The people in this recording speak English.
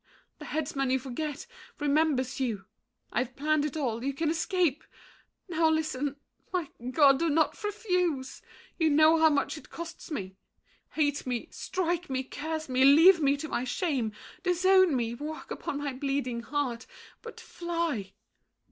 The headsman you forget, remembers you. I've planned it all. You can escape. Now, listen— My God! do not refuse. You know how much It costs me. Hate me, strike me, curse me, leave Me to my shame, disown me, walk upon My bleeding heart—but fly!